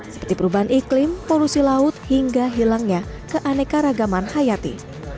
seperti perubahan iklim polusi laut hingga hilangnya keanekaragaman hayati